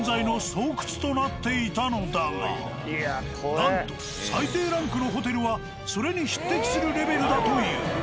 なんと最低ランクのホテルはそれに匹敵するレベルだという。